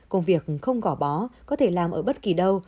công việc không gỏ bó có thể làm ở bất kỳ đâu